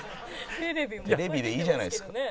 テレビでいいじゃないですか。